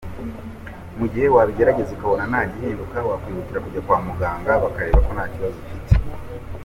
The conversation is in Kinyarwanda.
Mu gihe wabigerageza ukabona nta gihinduka wakihutira kujya kwa muganga bakareba ikibazo ufite.